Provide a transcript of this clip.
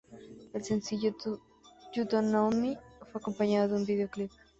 El sencillo "You Don't Know Me" fue acompañado de un videoclip.